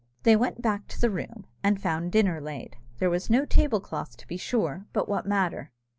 They went back to the room, and found dinner laid. There was no tablecloth, to be sure but what matter?